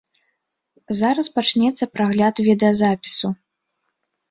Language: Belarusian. Зараз пачнецца прагляд відэазапісу.